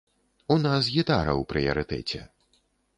У нас гітара ў прыярытэце.